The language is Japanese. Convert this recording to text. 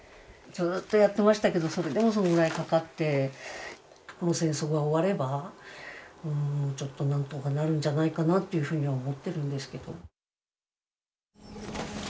ずーっとやってましたけれども、それでもそれぐらいかかって、この戦争が終われば、ちょっとなんとかなるんじゃないかなっていうふうには思ってるんですけど。